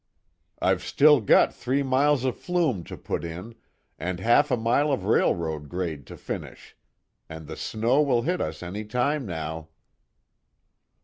I've still got three miles of flume to put in, and half a mile of railroad grade to finish and the snow will hit us any time now."